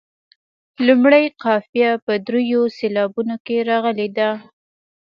لومړۍ قافیه په دریو سېلابونو کې راغلې ده.